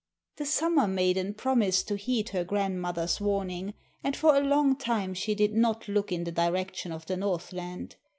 The Summer Maiden promised to heed her grandmother's warning, and for a long time she did not look in the direction of the Northland.